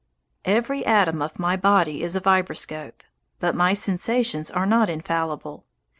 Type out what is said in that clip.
Every atom of my body is a vibroscope. But my sensations are not infallible.